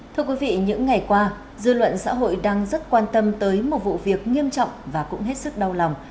thưa quý vị những ngày qua dư luận xã hội đang rất quan tâm tới một vụ việc nghiêm trọng và cũng hết sức đau lòng